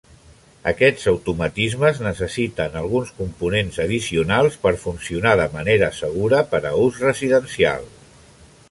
Aquests automatismes necessiten alguns components addicionals per funcionar de manera segura per a ús residencial.